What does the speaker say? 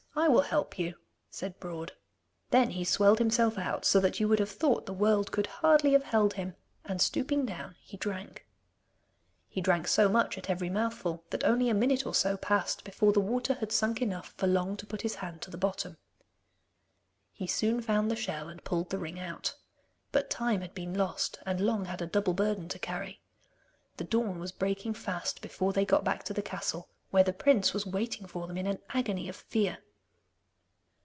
I will help you,' said Broad. Then he swelled himself out so that you would have thought the world could hardly have held him, and stooping down he drank. He drank so much at every mouthful, that only a minute or so passed before the water had sunk enough for Long to put his hand to the bottom. He soon found the shell, and pulled the ring out. But time had been lost, and Long had a double burden to carry. The dawn was breaking fast before they got back to the castle, where the prince was waiting for them in an agony of fear.